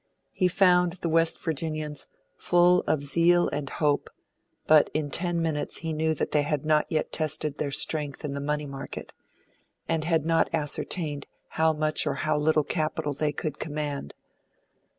He found the West Virginians full of zeal and hope, but in ten minutes he knew that they had not yet tested their strength in the money market, and had not ascertained how much or how little capital they could command.